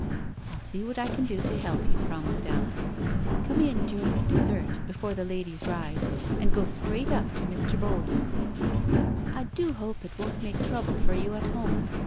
"I'll see what I can do to help you," promisefd Alice. " Come in during the dessert before the ladies rise, and go straight up to Mr. Boulder." ai6 NO SURRENDER " I do hope it won't make trouble for you at home."